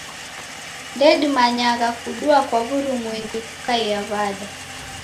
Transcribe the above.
Ndedimanyagha kudua kwa w'urumwengu kukaiagha w'ada.